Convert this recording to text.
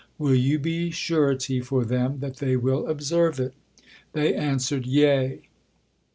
Will you be surety for them that they will observe it?" They answered: "Yea."